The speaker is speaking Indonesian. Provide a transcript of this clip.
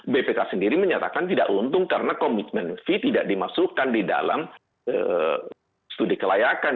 bpk sendiri menyatakan tidak untung karena komitmen fee tidak dimasukkan di dalam studi kelayakan